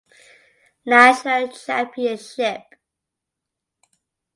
National Championship.